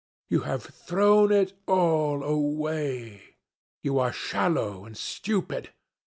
You have thrown it all away. You are shallow and stupid.